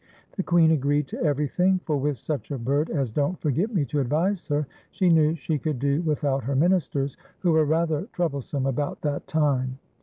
The Queen agreed to cver\'thing. for with such a bird as Don't Forget Me to advise her, she knew she could do without her ministers, who were rather trouble some about that time.